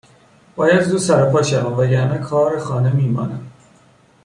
باید زود سرپا شوم وگرنه کار خانه میماند